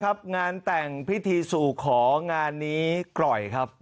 ครับงานแต่งพิธีสู่ของานนี้กร่อยครับ